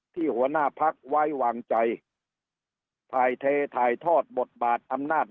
หัวหน้าพักไว้วางใจถ่ายเทถ่ายทอดบทบาทอำนาจ